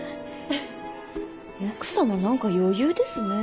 奥様なんか余裕ですね。